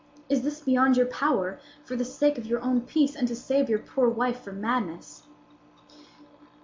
Is this beyond your power, for the sake of your own peace, and to save your poor wife from madness?"